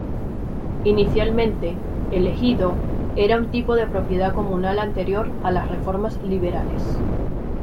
Inicialmente, el ejido era un tipo de propiedad comunal anterior a las reformas liberales.